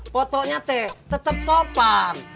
potonya teh tetep sopan